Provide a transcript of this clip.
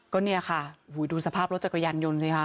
ก็เนี่ยค่ะดูสภาพรถจักรยานยนต์สิคะ